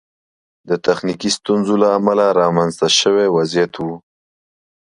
د تخنیکي ستونزو له امله رامنځته شوی وضعیت و.